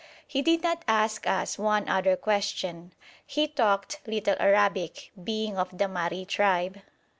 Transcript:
He did not ask us one other question. He talked little Arabic, being of the Mahri tribe.